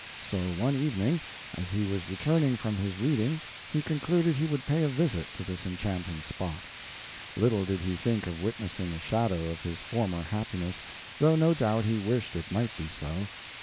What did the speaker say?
So one evening, as he was returning from his reading, he concluded he would pay a visit to this enchanting spot. Little did he think of witnessing a shadow of his former happiness, though no doubt he wished it might be so.